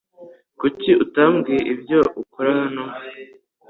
Kuki utambwira ibyo ukora hano?